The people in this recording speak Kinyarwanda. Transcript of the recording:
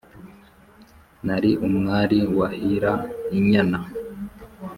Nari umwari wahira inyana